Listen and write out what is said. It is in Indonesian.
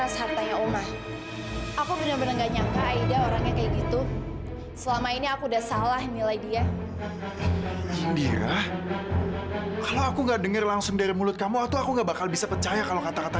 sampai jumpa di video selanjutnya